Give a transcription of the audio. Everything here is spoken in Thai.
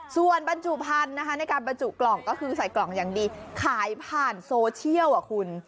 ส่วนบรรจุพันธุ์นะคะในการบรรจุกล่องก็คือใส่กล่องอย่างดีขายผ่านโซเชียลอ่ะคุณ